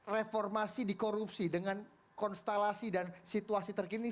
reformasi dikorupsi dengan konstelasi dan situasi terkini